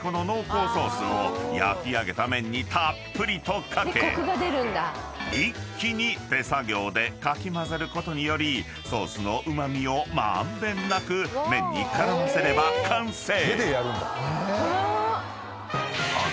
［焼き上げた麺にたっぷりと掛け一気に手作業でかき混ぜることによりソースのうま味を満遍なく麺に絡ませれば完成］